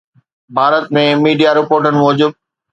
Bharat ۾ media رپورٽن موجب